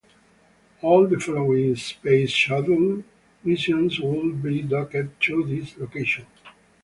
All the following Space Shuttle missions would be docked to this location.